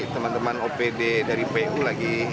teman teman opd dari pu lagi